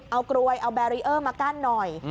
เอากลวยเอาแบรีเออร์มากั้นหน่อย